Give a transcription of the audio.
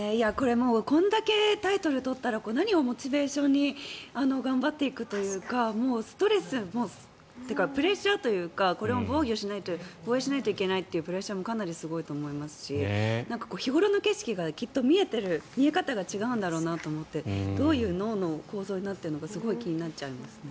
これだけタイトルを取ったら、何をモチベーションに頑張っていくというかストレスというかプレッシャーというか防衛しないといけないというプレッシャーもかなりすごいと思いますし日頃の景色が、きっと見えてる見え方が違うんだろうなってどういう脳の構造になっているのかすごい気になっちゃいます。